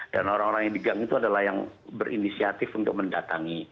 dan orang orang yang di gang itu adalah yang berinisiatif untuk mendatangi